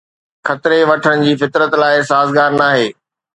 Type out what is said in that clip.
خطري وٺڻ جي فطرت لاءِ سازگار ناهي